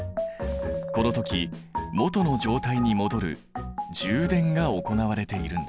この時元の状態に戻る充電が行われているんだ。